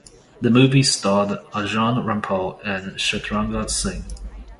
The movie starred Arjun Rampal and Chitrangada Singh.